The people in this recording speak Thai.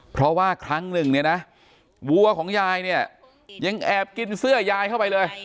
เพราะว่าครั้งหนึ่งเนี่ยนะวัวของยายเนี่ยยังแอบกินเสื้อยายเข้าไปเลย